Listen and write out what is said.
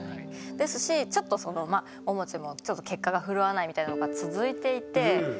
ですしちょっとそのまあももちもちょっと結果が振るわないみたいなのが続いていて。